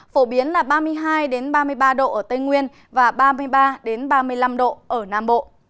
phổ biến là ba mươi hai ba mươi ba độ ở tây nguyên và ba mươi ba ba mươi năm độ ở nam bộ